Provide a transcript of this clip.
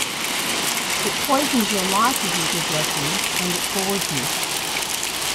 It poisons your life if you give lessons and it bores you.